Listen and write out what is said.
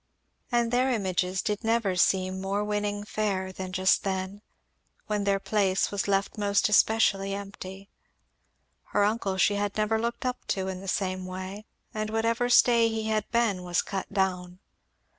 And their images did never seem more winning fair than just then, when their place was left most especially empty. Her uncle she had never looked up to in the same way, and whatever stay he had been was cut down.